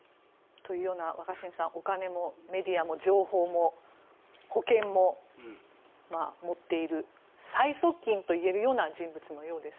若新さんお金もメディアも情報も保険も持っている最側近といえる人物のようです。